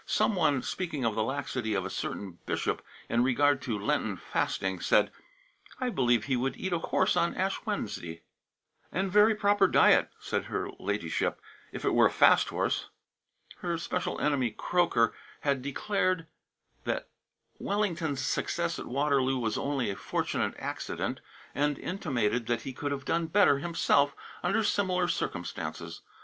Some one, speaking of the laxity of a certain bishop in regard to Lenten fasting, said: "I believe he would eat a horse on Ash Wednesday." "And very proper diet," said her ladyship, "if it were a fast horse." Her special enemy, Croker, had declared that Wellington's success at Waterloo was only a fortunate accident, and intimated that he could have done better himself, under similar circumstances.